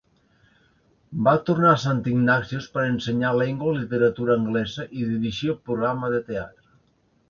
Va tornar a Saint Ignatius per ensenyar llengua i literatura anglesa i dirigir el programa de teatre.